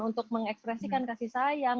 untuk mengekspresikan kasih sayang